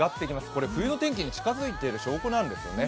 これ冬の天気に近づいている証拠なんですよね。